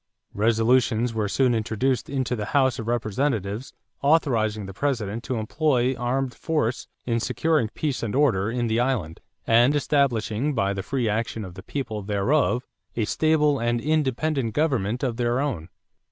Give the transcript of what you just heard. Resolutions were soon introduced into the House of Representatives authorizing the President to employ armed force in securing peace and order in the island and "establishing by the free action of the people thereof a stable and independent government of their own."